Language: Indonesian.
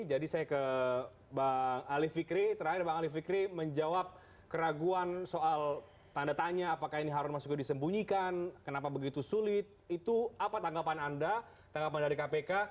jadi saya ke bang halif fikri terakhir bang halif fikri menjawab keraguan soal tanda tanya apakah ini harun masyukur disembunyikan kenapa begitu sulit itu apa tanggapan anda tanggapan dari kpk